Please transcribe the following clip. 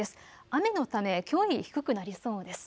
雨のためきょうより低くなりそうです。